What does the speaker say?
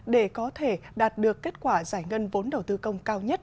để có thể đạt được kết quả giải ngân vốn đầu tư công cao nhất